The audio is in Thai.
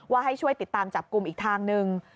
ให้ช่วยติดตามจับกลุ่มอีกทางหนึ่ง